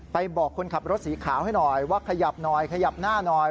บอกคนขับรถสีขาวให้หน่อยว่าขยับหน่อยขยับหน้าหน่อย